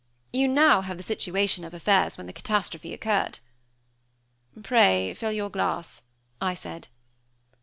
You now have the situation of affairs when the catastrophe occurred." "Pray fill your glass," I said.